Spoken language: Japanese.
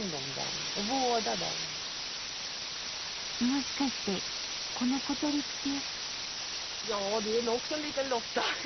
もしかしてこの小鳥って。